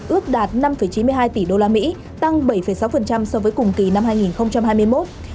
ước đạt năm chín mươi hai tỷ usd tăng bảy sáu so với cùng kỳ năm hai nghìn hai mươi một